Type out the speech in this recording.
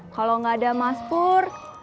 kalau gak ada mas pur